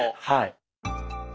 はい。